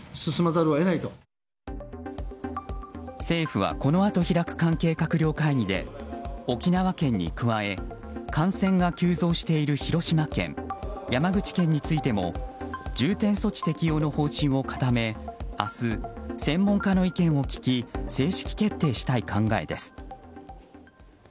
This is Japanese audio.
政府はこのあと開く関係閣僚会議で沖縄県に加え感染が急増している広島県、山口県についても重点措置適用の方針を固め明日、専門家の意見を聞き正式決定したい考えです。